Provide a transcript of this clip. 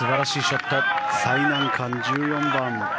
最難関、１４番。